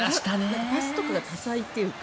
パスとかが多彩っていうか。